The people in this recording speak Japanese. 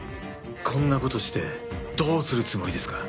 こんなことしてどうするつもりですか？